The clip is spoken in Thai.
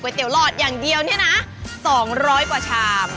เตี๋ยหลอดอย่างเดียวเนี่ยนะ๒๐๐กว่าชาม